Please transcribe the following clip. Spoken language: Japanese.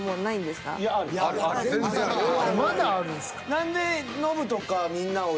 まだあるんすか。